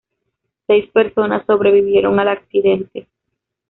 Seis personas sobrevivieron al accidente.